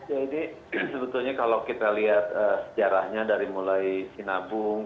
jadi sebetulnya kalau kita lihat sejarahnya dari mulai sinabung